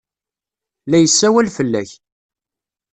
La yessawal fell-ak.